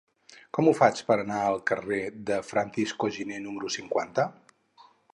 Com ho faig per anar al carrer de Francisco Giner número cinquanta?